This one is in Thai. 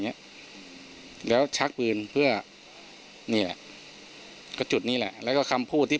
เนี้ยแล้วชักปืนเพื่อนี่แหละก็จุดนี้แหละแล้วก็คำพูดที่